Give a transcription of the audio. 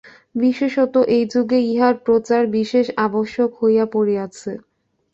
বিশেষত এই যুগে ইহার প্রচার বিশেষ আবশ্যক হইয়া পড়িয়াছে।